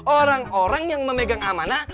orang orang yang memegang amanah